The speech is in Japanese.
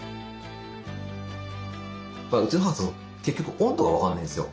うちの母って結局温度が分かんないんですよ。